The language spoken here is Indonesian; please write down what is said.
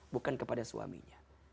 bukan kepada suaminya